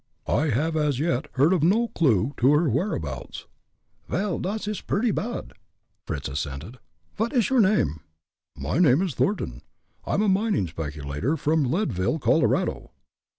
I have as yet heard of no clew to her whereabouts." "Vel, dot ish purdy bad," Fritz assented. "Vot ish your name?" "My name is Thornton I am a mining speculator from Leadville, Colorado."